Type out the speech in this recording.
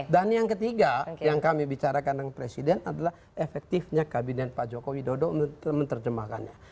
dan yang ketiga yang kami bicarakan dengan presiden adalah efektifnya kabinan pak jokowi dodo menerjemahkannya